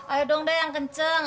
ayo dong deh yang kenceng